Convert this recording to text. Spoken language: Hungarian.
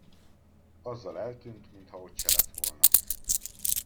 Azzal eltűnt, mintha ott se lett volna.